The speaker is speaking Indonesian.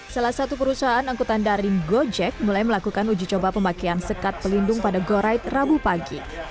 salah satu perusahaan angkutan daring gojek mulai melakukan uji coba pemakaian sekat pelindung pada gorid rabu pagi